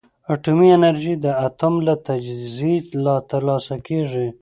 اټومي انرژي د اتوم له تجزیې ترلاسه کېږي.